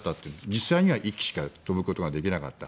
実際には１機しか飛ぶことができなかった。